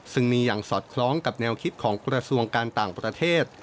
ซึ่งมีอย่างสอดคล้องกับแนวคิดของกระทรวงการต่างประเทศ